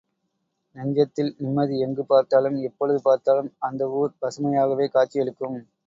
நெஞ்சத்தில் நிம்மதி எங்கு பார்த்தாலும், எப்பொழுது பார்த்தாலும், அந்த ஊர் பசுமையாகவே காட்சியளிக்கும்.